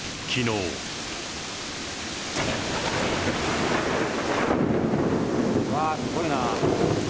うわぁ、すごいな。